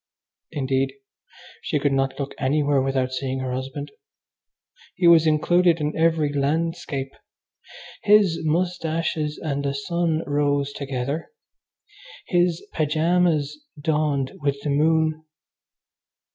Indeed, she could not look anywhere without seeing her husband. He was included in every landscape. His moustaches and the sun rose together. His pyjamas dawned with the moon.